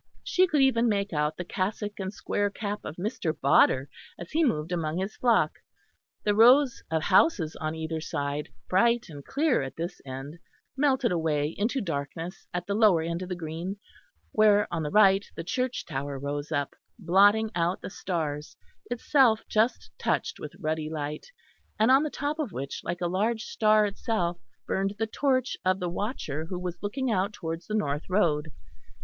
She could even make out the cassock and square cap of Mr. Bodder as he moved among his flock. The rows of houses on either side, bright and clear at this end, melted away into darkness at the lower end of the green, where on the right the church tower rose up, blotting out the stars, itself just touched with ruddy light, and on the top of which, like a large star itself, burned the torch of the watcher who was looking out towards the north road.